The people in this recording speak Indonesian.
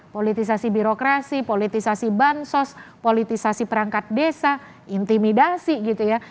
politisasi birokrasi politisasi bansos politisasi perangkat desa intimidasi gitu ya